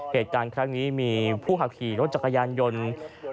เหตุการณ์ครั้งนี้มีผู้ขับขี่รถจักรยานยนต์